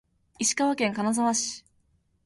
石川県金沢市